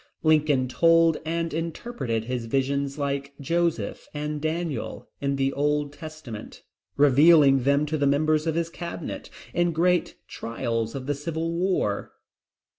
Lincoln told and interpreted his visions like Joseph and Daniel in the Old Testament, revealing them to the members of his cabinet, in great trials of the Civil War.